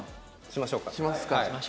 しましょうか。